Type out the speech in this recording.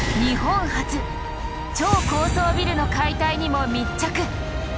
超高層ビルの解体にも密着。